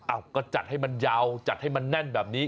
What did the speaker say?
ก็จัดให้มันยาวจัดให้มันแน่นแบบนี้